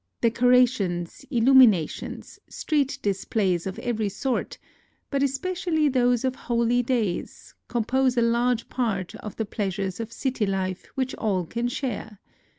Decorations, illuminations, street displays of every sort, but especially those of holy days, compose a large part of the pleasures of city life which all can share.